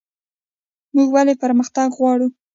موږ ولې پرمختګ غواړو؟